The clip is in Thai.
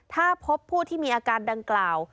ถ้าพบผู้ที่มีอาการดังกล่าว